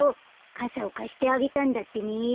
かさをかしてあげたんだってね。